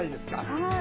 はい。